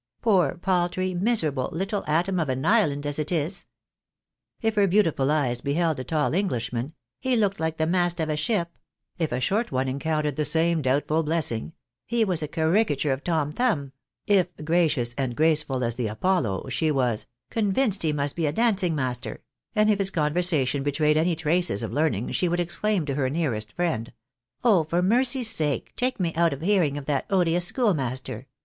Poor, paltry, miserable, httle atom of an island as it is !" If her beautiful eyes beheld a tall Enghshman, " he looked like the mast of a ship" — if a short one encountered the same doubtful blaaeing, "he was a caricature of Tom Thumb" — ^if gracious and JJl V lUVALT CKmj UJDICES. 59 graceful as the Apollo, ste was " convinced he must be a dancing master ;" and if his conversation betrayed any traces of learning, she would exclaim to her nearest friend —" Oh ! for mercy's sake take me out of hearing of that odious schoolmaster.